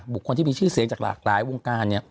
คนที่มีชื่อเสียงจากหลากหลายวงการ